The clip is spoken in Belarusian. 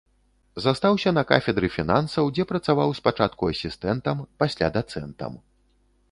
Застаўся на кафедры фінансаў, дзе працаваў спачатку асістэнтам, пасля дацэнтам.